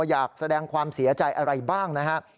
อยากแสดงความเสียใจอะไรบ้างนะครับ